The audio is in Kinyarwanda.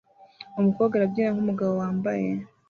Umukobwa arabyina nkumugabo wambaye